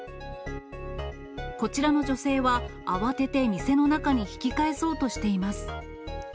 こちらの女性は、慌てて店の中に引き返そうとしています。